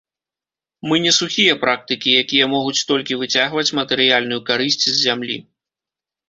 Мы не сухія практыкі, якія могуць толькі выцягваць матэрыяльную карысць з зямлі.